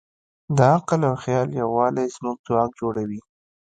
د عقل او خیال یووالی زموږ ځواک جوړوي.